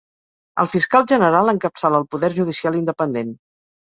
El fiscal general encapçala el poder judicial independent.